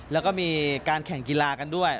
แล้วก็มีการแข่งกีฬากันด้วย